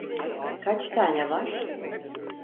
Kaç tane var?